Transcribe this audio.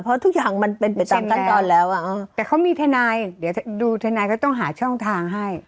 เพราะทุกอย่างมันเป็นไปตามขั้นตอนแล้วแต่เขามีทนายเดี๋ยวดูทนายก็ต้องหาช่องทางให้